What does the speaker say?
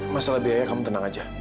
masalah biaya kamu tenang aja